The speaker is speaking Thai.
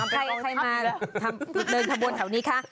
ใครมาแล้วเดินขบวนแถวนี้คะ